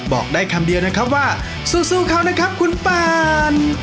บอกได้คำเดียวนะครับว่าสู้เขานะครับคุณปาน